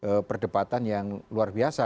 jadi ini adalah perdebatan yang luar biasa